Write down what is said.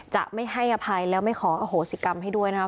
จะไม่ให้อภัยแล้วไม่ขออโหสิกรรมให้ด้วยนะครับ